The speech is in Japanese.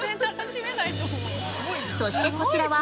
◆そしてこちらは